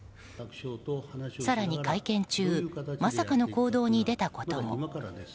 更に会見中まさかの行動に出たことも。